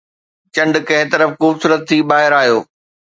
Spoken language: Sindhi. چنڊ ڪنهن طرف خوبصورت ٿي ٻاهر آيو